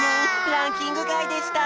ランキングがいでした！